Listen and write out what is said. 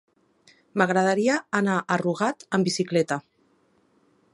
M'agradaria anar a Rugat amb bicicleta.